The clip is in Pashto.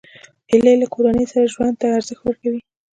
هیلۍ له کورنۍ سره ژوند ته ارزښت ورکوي